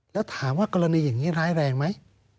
แล้วถามว่ากรณีอย่างนี้ร้ายแรงไหม